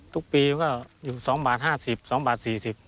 ทุกปีก็อยู่๒บาท๕๐๒บาท๔๐บาท